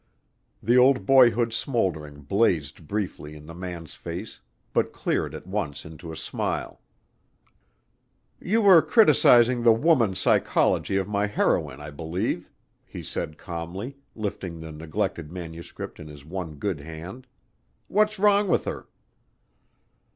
The old boyhood smoldering blazed briefly in the man's face, but cleared at once into a smile. "You were criticizing the woman psychology of my heroine, I believe," he said calmly, lifting the neglected manuscript in his one good hand. "What's wrong with her?"